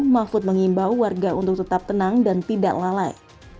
mahfud mengimbau warga untuk tetap tenang dan tidak lalai